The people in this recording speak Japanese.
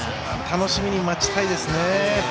楽しみに待ちたいですね。